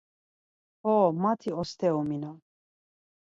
Ho, mati osteru minon.